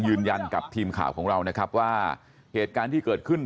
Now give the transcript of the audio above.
ยืนยันกับทีมข่าวของเรานะครับว่าเหตุการณ์ที่เกิดขึ้น